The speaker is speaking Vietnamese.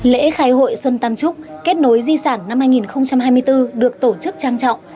lễ khai hội xuân tam trúc kết nối di sản năm hai nghìn hai mươi bốn được tổ chức trang trọng